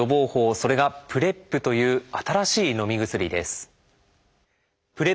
それが「ＰｒＥＰ」という新しいのみ薬です。